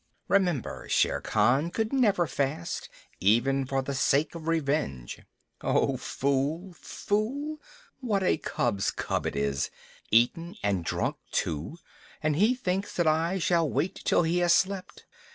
Remember, Shere Khan could never fast, even for the sake of revenge." "Oh! Fool, fool! What a cub's cub it is! Eaten and drunk too, and he thinks that I shall wait till he has slept!